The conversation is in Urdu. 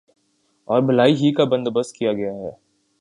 اور بھلائی ہی کا بندو بست کیا گیا ہے